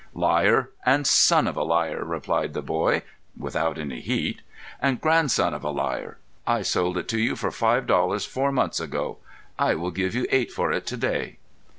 "Liar, and son of a liar," replied the boy, without any heat, "and grandson of a liar. I sold it to you for five dollars four months ago. I will give you eight for it to day."